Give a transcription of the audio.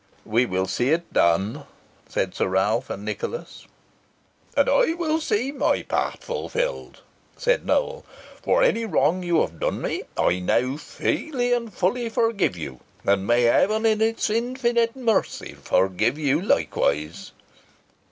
"We will see it done," said Sir Ralph and Nicholas. "And I will see my part fulfilled," said Nowell. "For any wrong you have done me I now freely and fully forgive you, and may Heaven in its infinite mercy forgive you likewise!"